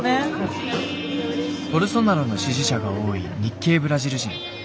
ボルソナロの支持者が多い日系ブラジル人。